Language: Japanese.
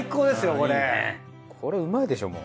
これうまいでしょもう。